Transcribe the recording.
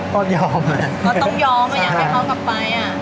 ก็ต้องยอมอ่ะอยากให้เขากลับไปอ่ะ